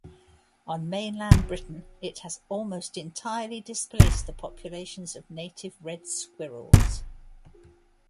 On mainland Britain, it has almost entirely displaced the populations of native red squirrels.